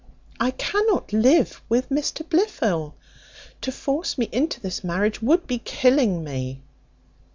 I cannot live with Mr Blifil. To force me into this marriage would be killing me."